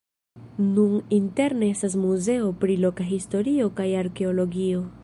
Nun interne estas muzeo pri loka historio kaj arkeologio.